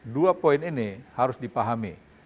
dua poin ini harus dipahami